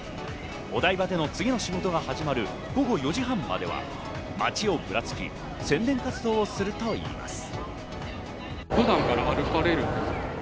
お台場での次の仕事が始まる午後４時半までは、街をぶらつき、宣伝活動をするといいます。